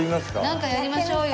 なんかやりましょうよ。